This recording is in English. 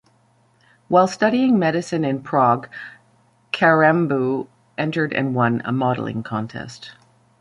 While studying medicine in Prague, Karembeu entered and won a modelling contest.